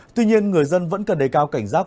tuy nhiên người dân vẫn cần đề cao cảnh giác